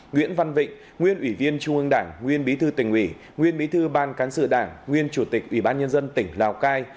nguyễn văn vịnh nguyên ủy viên trung ương đảng nguyên bí thư tỉnh ủy nguyên bí thư ban cán sự đảng nguyên chủ tịch ủy ban nhân dân tỉnh lào cai